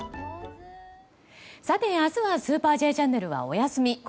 さて、明日は「スーパーＪチャンネル」はお休み。